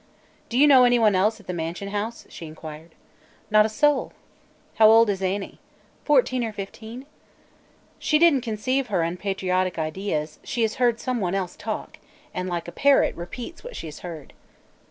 "Do you know anyone else at the Mansion House?" she inquired. "Not a soul." "How old is Annie?" "Fourteen or fifteen." "She didn't conceive her unpatriotic ideas; she has heard someone else talk, and like a parrot repeats what she has heard."